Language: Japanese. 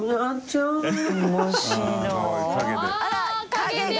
影で。